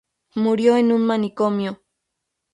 Murió en un manicomio.